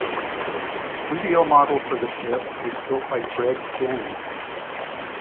The studio model for the ship was built by Greg Jein.